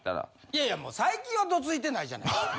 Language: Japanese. いやいやもう最近はどついてないじゃないですか。